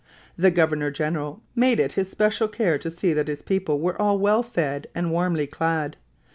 The governor general made it his special care to see that his people were all well fed and warmly clad.